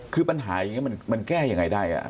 คือปัญหายังไงมันแก้ยังไงได้อ่ะ